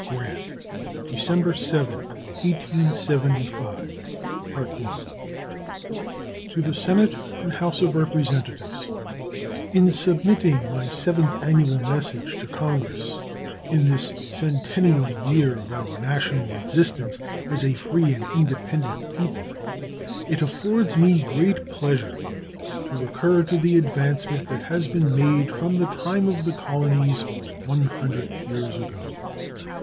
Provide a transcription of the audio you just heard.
Grant December 7, 1875 To the Senate and House of Representatives: In submitting my seventh annual message to Congress, in this centennial year of our national existence as a free and independent people, it affords me great pleasure to recur to the advancement that has been made from the time of the colonies, one hundred years ago.